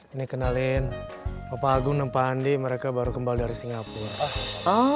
ini kenalin bapak agung dan pak andi mereka baru kembali dari singapura